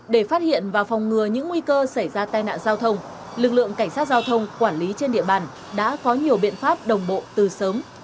để phát hiện và phòng ngừa những nguy cơ xảy ra tai nạn giao thông lực lượng cảnh sát giao thông quản lý trên địa bàn đã có nhiều biện pháp đồng bộ từ sớm